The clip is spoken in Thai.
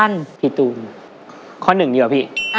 แล้ววันนี้ผมมีสิ่งหนึ่งนะครับเป็นตัวแทนกำลังใจจากผมเล็กน้อยครับ